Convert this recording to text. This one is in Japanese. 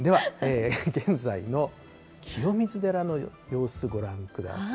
では現在の清水寺の様子、ご覧ください。